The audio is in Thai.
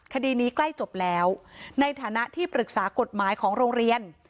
คดีนี้ใกล้จบแล้วในฐานะที่ปรึกษากฎหมายของโรงเรียน